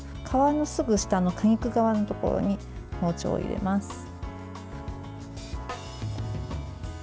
皮のすぐ下の果肉側のところに包丁を入れます。